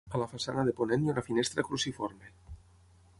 A la façana de ponent hi ha una finestra cruciforme.